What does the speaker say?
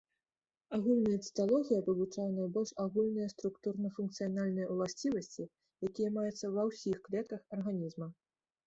Агульная цыталогія вывучае найбольш агульныя структурна-функцыянальныя ўласцівасці, якія маюцца ва ўсіх клетках арганізма.